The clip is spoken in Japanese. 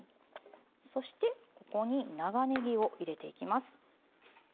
そしてここに長ねぎを入れていきます。